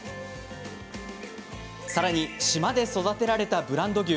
さらに島で育てられたブランド牛